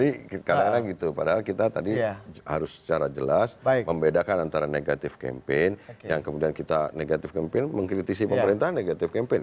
karena gitu padahal kita tadi harus secara jelas membedakan antara negatif campaign yang kemudian kita negatif campaign mengkritisi pemerintahan negatif campaign